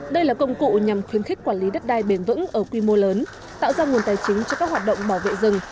đây là công cụ nhằm khuyến khích quản lý đất đai bền vững ở quy mô lớn tạo ra nguồn tài chính cho các hoạt động bảo vệ rừng